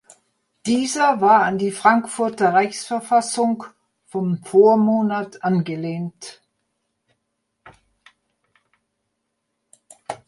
Dieser war an die Frankfurter Reichsverfassung vom Vormonat angelehnt.